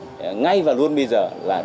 vì vậy ngay và luôn bây giờ là đến